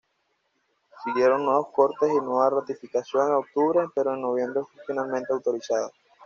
Siguieron nuevos cortes y nueva ratificación en octubre, pero en noviembre fue finalmente autorizada.